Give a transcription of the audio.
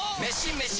メシ！